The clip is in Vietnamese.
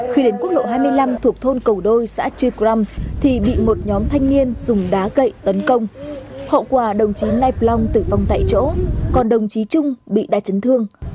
khi đến quốc lộ hai mươi năm thuộc thôn cầu đôi xã chư căm thì bị một nhóm thanh niên dùng đá gậy tấn công hậu quả đồng chí nay plang tử vong tại chỗ còn đồng chí trung bị đa chấn thương